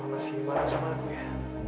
masih marah sama aku ya